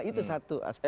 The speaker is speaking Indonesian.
itu satu aspek